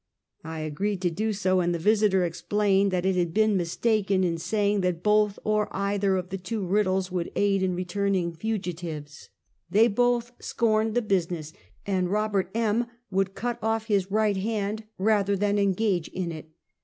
I agreed to do so, and the Visiter explained that it had been mistaken in saying that both or either of the two Eiddles would aid in returning fugitives. They both scorned the business, and Eobt. M., would cut off his right hand, rather than engage in it.